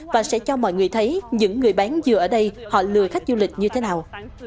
và sẽ cho mọi người thấy những người bán dừa ở đây họ lừa khách du lịch như thế nào